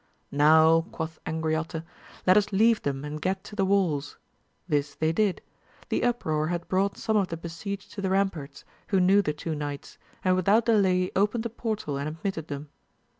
Now, quoth Angriote, let us leave them and get to the walls; this they did; the uproar had brought some of the besieged to the ramparts, who knew the two knights, and without delay opened a portal and admitted them.